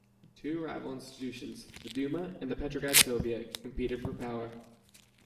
Two rival institutions, the Duma and the Petrograd Soviet, competed for power.